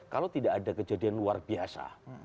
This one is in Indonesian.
kalau tidak ada kejadian luar biasa